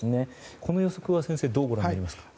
この予測は先生どうご覧になりますか。